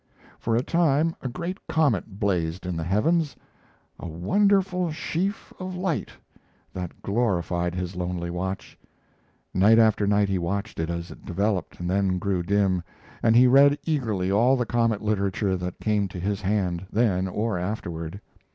For a time a great comet blazed in the heavens, a "wonderful sheaf of light" that glorified his lonely watch. Night after night he watched it as it developed and then grew dim, and he read eagerly all the comet literature that came to his hand, then or afterward.